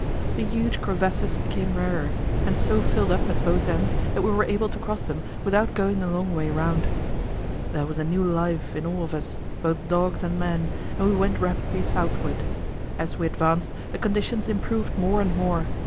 The huge crevasses became rarer, and so filled up at both ends that we were able to cross them without going a long way round. There was new life in all of us, both dogs and men, and we went rapidly southward. As we advanced, the conditions improved more and more.